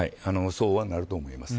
そうはなると思います。